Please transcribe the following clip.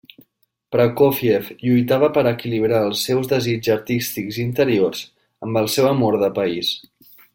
Prokófiev lluitava per equilibrar els seus desigs artístics interiors amb el seu amor de país.